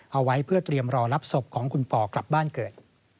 เอาไว้เพื่อเตรียมรอรับศพของคุณปอกลับบ้านเกิด